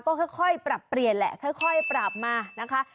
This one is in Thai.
ก็ค่อยปรับเปลี่ยนแหละค่อยปรับมานะคะ